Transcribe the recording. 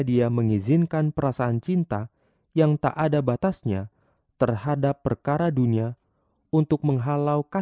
sampai jumpa di video selanjutnya